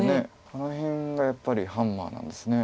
この辺がやっぱりハンマーなんですね。